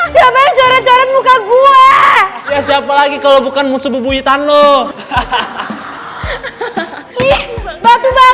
sampai jumpa di video selanjutnya